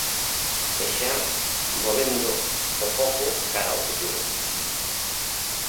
E xa movendo o foco cara ao futuro.